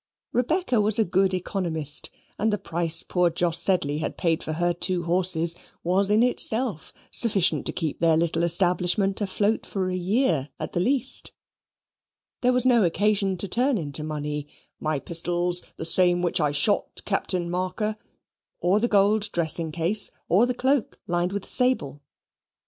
Rebecca was a good economist, and the price poor Jos Sedley had paid for her two horses was in itself sufficient to keep their little establishment afloat for a year, at the least; there was no occasion to turn into money "my pistols, the same which I shot Captain Marker," or the gold dressing case, or the cloak lined with sable.